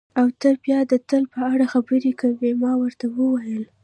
او ته بیا د تل په اړه خبرې کوې، ما ورته وویل.